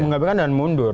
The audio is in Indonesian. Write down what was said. mengembalikan dan mundur